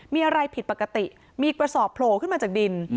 มีอะไรผิดปกติมีกระสอบโผล่ขึ้นมาจากดิน